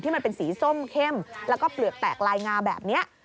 มันเป็นสีส้มเข้มแล้วก็เปลือกแตกลายงาแบบนี้